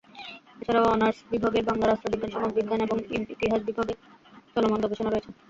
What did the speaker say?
এছাড়াও অনার্স বিভাগের বাংলা, রাষ্ট্রবিজ্ঞান, সমাজবিজ্ঞান এবং ইতিহাস বিভাগে চলমান গবেষণা রয়েছে।